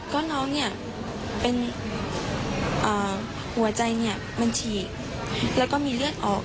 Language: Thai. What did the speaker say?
ก็น้องเนี่ยเป็นหัวใจเนี่ยมันฉีกแล้วก็มีเลือดออก